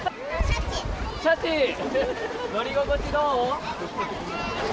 乗り心地はどう？